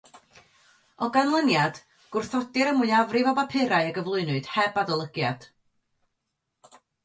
O ganlyniad, gwrthodir y mwyafrif o bapurau a gyflwynwyd heb adolygiad.